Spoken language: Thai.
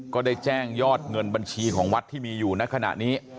ก็ได้แจ้งยอดเงินบัญชีของวัดที่มีอยู่ในขณะนี้